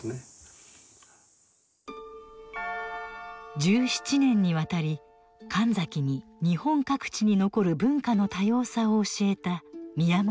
１７年にわたり神崎に日本各地に残る文化の多様さを教えた宮本常一。